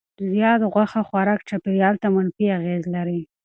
زیات غوښه خوراک چاپیریال ته منفي اغېز لري.